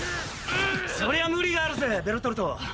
・そりゃ無理があるぜベルトルト。